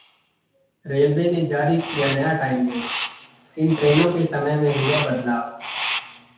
railway ने जारी किया नया टाइम टेबल, इन ट्रेनों के समय में हुआ बदलाव